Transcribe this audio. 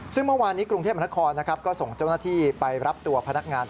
ซึ่งเมื่อวานนี้กรุงเทพมนครนะครับก็ส่งเจ้าหน้าที่ไปรับตัวพนักงาน